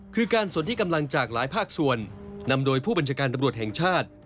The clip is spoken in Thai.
คือการสนที่กำลังจากหลายภาคส่วนนำโดยผู้บัญชาการตำรวจแห่งชาติ